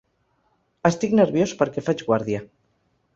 Estic nerviós perquè faig guàrdia.